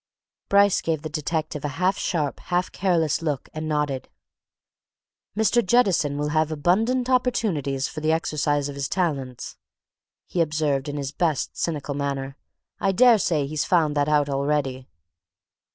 Bryce gave the detective a half sharp, half careless look and nodded. "Mr. Jettison will have abundant opportunities for the exercise of his talents!" he observed in his best cynical manner. "I dare say he's found that out already."